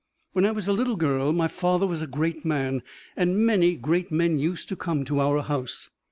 When I was a little girl, my father was a great man, and many great men used to come to our house.